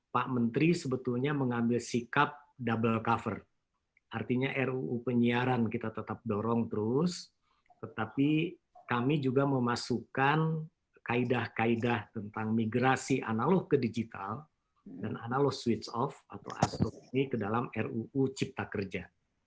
pak menteri sebetulnya mengambil sikap double cover artinya ruu penyiaran kita tetap dorong terus tetapi kami juga memasukkan kaedah kaedah tentang migrasi analog ke digital dan analog switch off atau asom ini ke dalam ruu cipta kerja